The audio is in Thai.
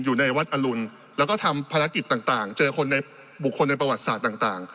อยู่ในวัดอรุณแล้วก็ทำภารกิจต่างเจอคนในบุคคลในประวัติศาสตร์ต่าง